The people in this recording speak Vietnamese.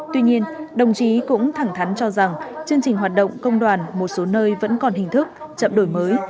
tuy nhiên đồng chí cũng thẳng thắn cho rằng chương trình hoạt động công đoàn một số nơi vẫn còn hình thức chậm đổi mới